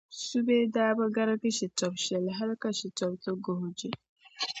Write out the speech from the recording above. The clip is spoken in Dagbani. Subee daa bi garigi Shitobu shɛli hali ka Shitobu ti guhi o je.